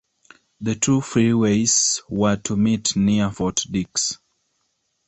The two freeways were to meet near Fort Dix.